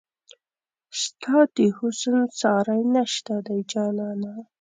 ستا د حسن ساری نشته دی جانانه